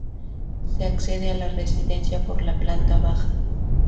Se accede a la residencia por la planta baja.